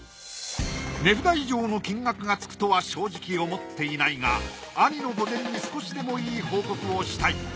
値札以上の金額がつくとは正直思っていないが兄の墓前に少しでもいい報告をしたい。